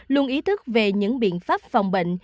luôn ý thức về những biện pháp phòng bệnh